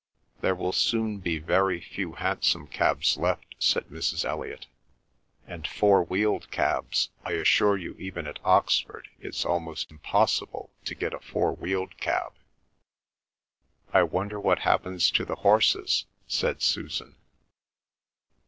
"There will soon be very few hansom cabs left," said Mrs. Elliot. "And four wheeled cabs—I assure you even at Oxford it's almost impossible to get a four wheeled cab." "I wonder what happens to the horses," said Susan.